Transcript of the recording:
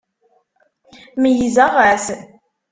Meyyzeɣ-as.